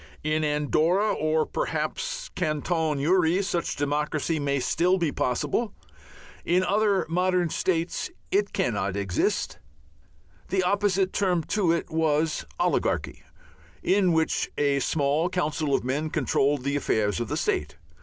In Andorra, or perhaps in Canton Uri, such democracy may still be possible; in any other modern state it cannot exist. The opposite term to it was oligarchy, in which a small council of men controlled the affairs of the state.